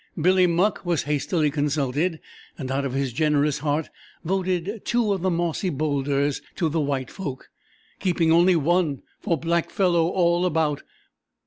Billy Muck was hastily consulted, and out of his generous heart voted two of the mossy boulders to the white folk, keeping only one for "black fellow all about."